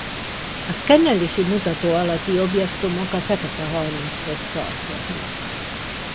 A szkennelési mutató alatti objektumok a fekete halmazhoz tartoznak.